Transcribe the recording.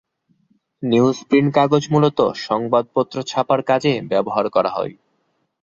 ‘Newsprint’ কাগজ মূলত সংবাদপত্র ছাপার কাজে ব্যবহার করা হয়।